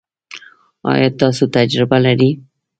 ایا تاسو تجربه لرئ؟